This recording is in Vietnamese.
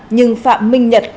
nhưng phạm minh nhật